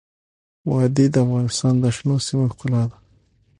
وادي د افغانستان د شنو سیمو ښکلا ده.